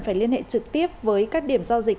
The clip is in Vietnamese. phải liên hệ trực tiếp với các điểm giao dịch